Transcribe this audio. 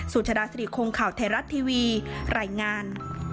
สุจราศรีโครงข่าวไทยรัฐทีวีไหล่งาน